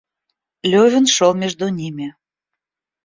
Левин шел между ними.